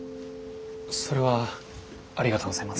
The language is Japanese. それはありがとうございます。